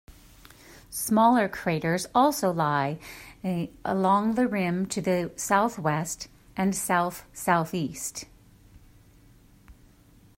Smaller craters also lie aling the rim to the southwest and south-southeast.